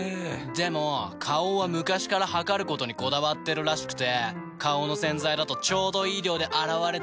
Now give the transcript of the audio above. でも花王は昔から量ることにこだわってるらしくて花王の洗剤だとちょうどいい量で洗われてるなって。